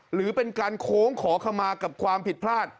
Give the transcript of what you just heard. หรือเป็นการโค้งขอขมากับความผิดพลาด